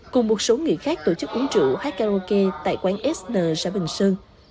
cùng một số người khác tổ chức uống trượu hát karaoke tại quán sn xã bình sơn